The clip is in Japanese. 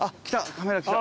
カメラ来た。